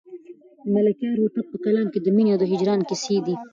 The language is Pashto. د ملکیار هوتک په کلام کې د مینې او هجران کیسې دي.